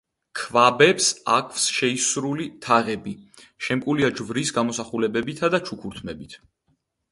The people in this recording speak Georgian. ქვაბებს აქვს შეისრული თაღები, შემკულია ჯვრის გამოსახულებებითა და ჩუქურთმებით.